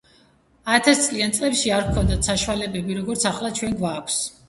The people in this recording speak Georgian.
ათასიან წლებში არ ქონდათ საშვალებები როგორც ახლა ჩვენ გვაქვს